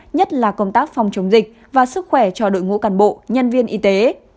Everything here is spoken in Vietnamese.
nhất là công tác phòng chống dịch và sức khỏe cho đội ngũ cán bộ nhân viên y tế